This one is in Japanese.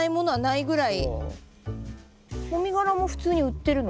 もみ殻も普通に売ってるの？